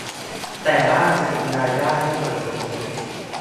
แต่บ้างจะมีรายได้ไม่เปิดเผย